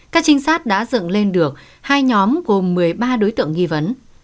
các trinh sát đã dựng lên được hai nhóm gồm một mươi ba đối tượng nghi vấn